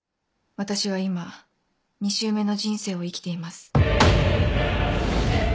私は今２周目の人生を生きています。